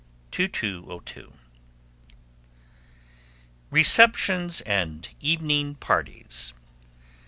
2202. Receptions and Evening Parties.